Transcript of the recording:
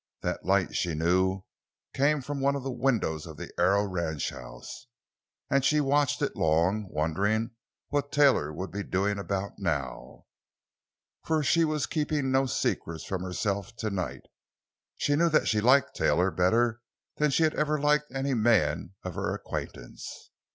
That light, she knew, came from one of the windows of the Arrow ranchhouse, and she watched it long, wondering what Taylor would be doing about now. For she was keeping no secrets from herself tonight. She knew that she liked Taylor better than she had ever liked any man of her acquaintance.